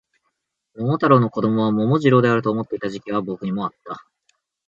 桃太郎の子供は桃次郎であると思っていた時期が僕にもあった